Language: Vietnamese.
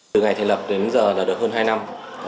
từ ngày thành lập đến giờ là được hơn hai năm